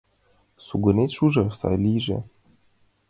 Сугынет шужо, сай лийже.